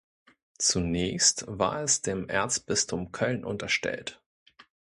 Zunächst war es dem Erzbistum Köln unterstellt.